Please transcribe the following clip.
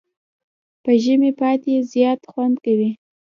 په ژمي پاتی زیات خوند کوي.